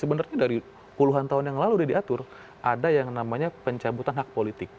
sebenarnya dari puluhan tahun yang lalu udah diatur ada yang namanya pencabutan hak politik